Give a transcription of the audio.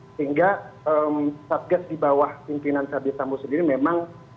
sehingga satgas di bawah pimpinan verdi sambo sendiri memang